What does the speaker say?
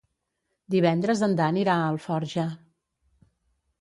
Divendres en Dan irà a Alforja.